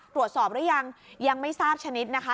ตรวจสอบหรือยังยังไม่ทราบชนิดนะคะ